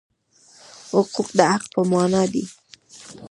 حقوق د حق په مانا دي.